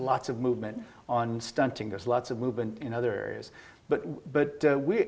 untuk memastikan keadaannya lebih baik